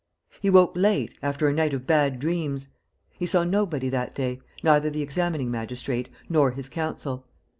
... He woke late, after a night of bad dreams. He saw nobody that day, neither the examining magistrate nor his counsel.